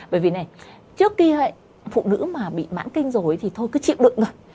bởi vì này trước kia ấy phụ nữ mà bị mãn kinh rồi thì thôi cứ chịu được rồi